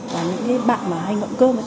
và những bạn hay ngậm cơm